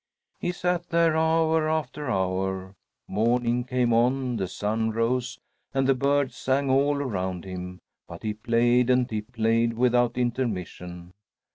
He sat there hour after hour. Morning came on, the sun rose, and the birds sang all around him; but he played and he played, without intermission.